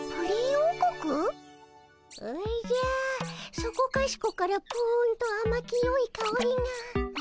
おじゃそこかしこからプンとあまきよいかおりが。